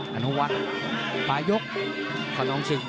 หันวัดปลายกขนองศึก